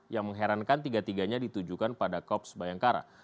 yang mengherankan tiga tiganya ditujukan pada kops bayangkara